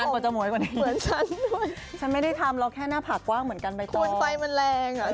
สวัสดีค่ะสวัสดีค่ะ